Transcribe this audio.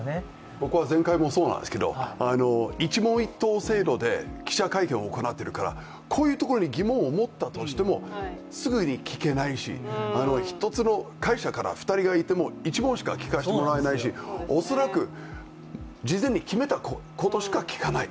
僕は前回もそうなんですけど一問一答制度で記者会見を行っているからこういうところに疑問を持ったとしてもすぐに聞けないし１つの会社から２人がいても、１問しか聞かせてもらえないし、恐らく事前に決めたことしか聞かない。